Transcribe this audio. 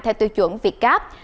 theo tiêu chuẩn việt cap